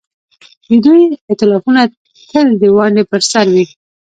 د دوی ائتلافونه تل د ونډې پر سر وي.